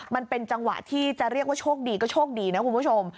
มันเป็นจังหวะที่จะเรียกว่าโชคดีก็โชคดีนะคุณผู้ชม